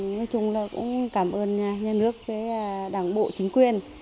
nói chung là cũng cảm ơn nhà nước với đảng bộ chính quyền